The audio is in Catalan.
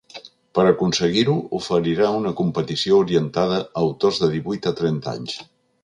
Per aconseguir-ho, oferirà una competició orientada a autors de divuit a trenta anys.